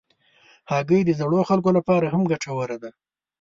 هګۍ د زړو خلکو لپاره هم ګټوره ده.